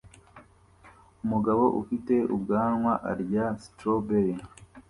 Umugabo ufite ubwanwa arya strawberry